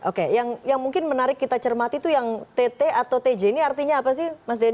oke yang mungkin menarik kita cermati itu yang tt atau tj ini artinya apa sih mas denn